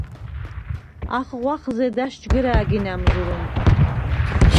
ახღვახ ზედა̈შ ჯგჷრა̄̈გი ნა̈მზჷრუნდ.